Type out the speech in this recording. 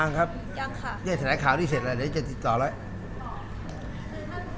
ยังครับยังค่ะเนี่ยแถลงข่าวนี้เสร็จแล้วเดี๋ยวจะติดต่อแล้ว